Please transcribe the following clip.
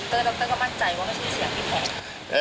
เตอร์น้องเตอร์ก็มั่นใจว่าไม่ใช่เสียงพี่แผน